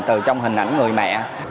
từ trong hình ảnh người mẹ